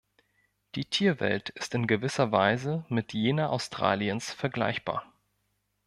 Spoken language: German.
Die Tierwelt ist in gewisser Weise mit jener Australiens vergleichbar.